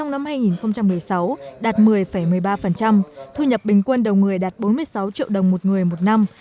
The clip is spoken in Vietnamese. năm hai nghìn một mươi sáu đạt một mươi một mươi ba thu nhập bình quân đầu người đạt bốn mươi sáu triệu đồng một người một năm